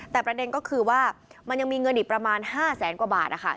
แต่ประเด็นก็คือว่ามันยังมีเงินอีกประมาณ๕แสนกว่าบาท